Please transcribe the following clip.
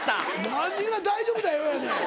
何が「大丈夫だよ」やねん。